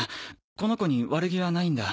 この子に悪気はないんだ